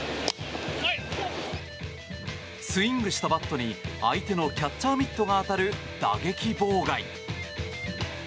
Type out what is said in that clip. スイングしたバットに相手のキャッチャーミットが当たる打撃妨害。